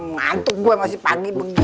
ngantuk gue masih pagi begini